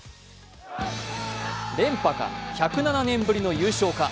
連覇か、１０７年ぶりの優勝か。